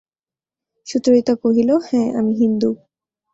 সুচরিতা কহিল, হাঁ, আমি হিন্দু।